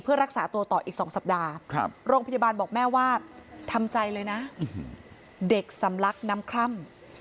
เพื่อรักษาตัวต่ออีก๒สัปดาห์โรงพยาบาลบอกแม่ว่าทำใจเลยนะเด็กสำลักน้ำคร่ำ